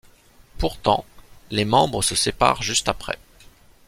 Pourtant, les membres se séparent juste après.